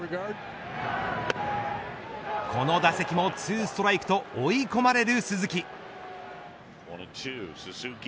この打席も２ストライクと追い込まれる鈴木。